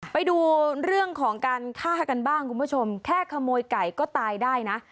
ไปดูเรื่องของการฆ่ากันบ้างคุณผู้ชมแค่ขโมยไก่ก็ตายได้นะ